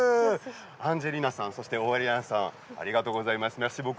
アンジェリーナさんオレリアンさんありがとうございます。